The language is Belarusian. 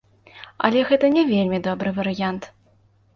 Але гэта не вельмі добры варыянт.